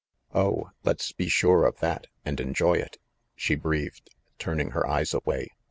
"Oh, let's be sure of that, and enjoy it!" she breathed, turning her eyes away.